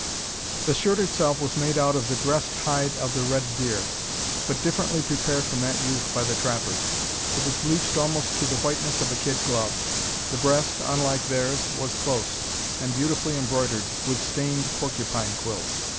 The shirt itself was made out of the dressed hide of the red deer, but differently prepared from that used by the trappers. It was bleached almost to the whiteness of a kid glove. The breast, unlike theirs, was close, and beautifully embroidered with stained porcupine quills.